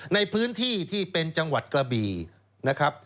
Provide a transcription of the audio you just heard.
ในพื้นที่ที่เป็นจังหวัดกระบี่นะครับ